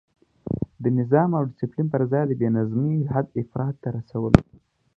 د نظم او ډسپلین پر ځای یې د بې نظمۍ حد افراط ته رسولی.